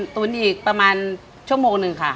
ตุ๋นอีกประมาณชั่วโมงหนึ่งค่ะ